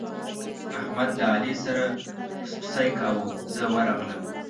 احمد له علي سره پسپسی کاوو، زه ورغلم.